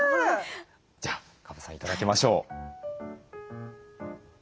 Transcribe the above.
じゃあ川端さん頂きましょう。